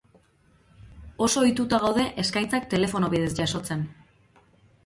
Oso ohituta gaude eskaintzak telefono bidez jasotzen.